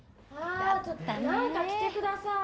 「何か着てください」